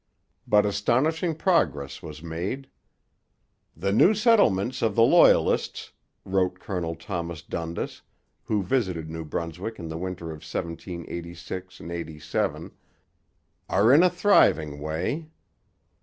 But astonishing progress was made. 'The new settlements of the Loyalists,' wrote Colonel Thomas Dundas, who visited New Brunswick in the winter of 1786 87, 'are in a thriving way.'